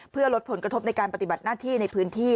เพื่อลดผลกระทบในการปฏิบัติหน้าที่ในพื้นที่